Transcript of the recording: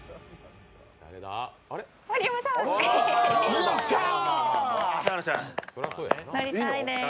よっしゃー！